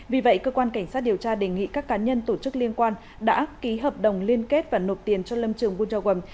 vì vậy cơ quan cảnh sát điều tra đề nghị các cá nhân tổ chức liên quan đã ký hợp đồng liên kết và nộp tiền cho lâm trường buôn giao quẩm